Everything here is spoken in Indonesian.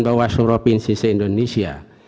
bawaslu provinsi se indonesia